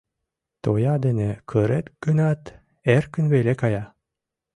Тоя дене кырет гынат, эркын веле кая.